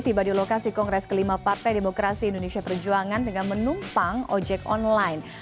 tiba di lokasi kongres kelima partai demokrasi indonesia perjuangan dengan menumpang ojek online